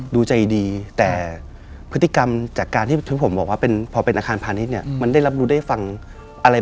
ดูใจดีแต่พฤติกรรมจากการที่ผมบอกว่าพอเป็นอาคารพาณิชย์เนี่ย